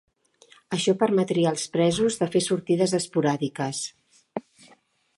Això permetria als presos de fer sortides esporàdiques.